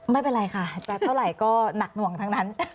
ไม่เป็นไรค่ะจะเท่าไหร่ก็หนักหน่วงทั้งนั้น